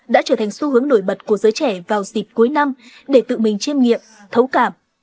đã trở thành xu hướng nổi bật của giới trẻ vào dịp cuối năm để tự mình chiêm nghiệm thấu cảm